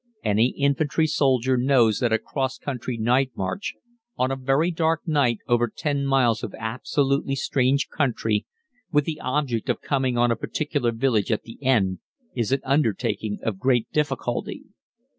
Any infantry soldier knows that a cross country night march on a very dark night over 10 miles of absolutely strange country with the object of coming on a particular village at the end, is an undertaking of great difficulty.